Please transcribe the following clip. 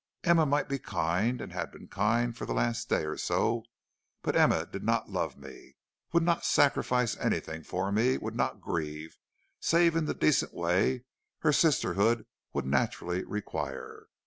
Emma might be kind, had been kind for the last day or so, but Emma did not love me, would not sacrifice anything for me, would not grieve, save in the decent way her sisterhood would naturally require.